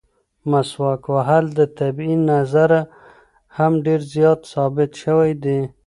مسواک وهل د طبي نظره هم ډېر زیات ثابت شوي دي.